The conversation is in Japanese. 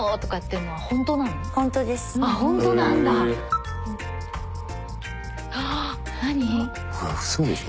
うわうそでしょ？